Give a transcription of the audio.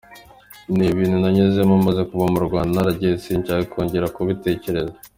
Ni ibintu nanyuzemo maze kuva mu Rwanda naragiye sinshake kongera kubitekereza.